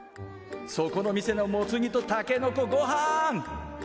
そこの店のモツ煮とたけのこごはん！